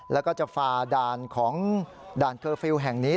แล้วก็จะฝ่าด่านของด่านเคอร์ฟิลล์แห่งนี้